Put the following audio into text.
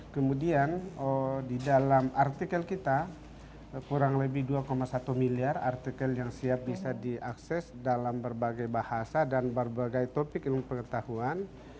kemudian di dalam artikel kita kurang lebih dua satu miliar artikel yang siap bisa diakses dalam berbagai bahasa dan berbagai topik ilmu pengetahuan